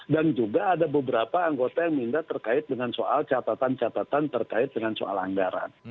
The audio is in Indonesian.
dan juga ada beberapa anggota yang minta terkait dengan soal catatan catatan terkait dengan soal anggaran